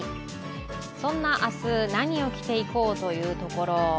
そんな明日何を着ていこうというところ。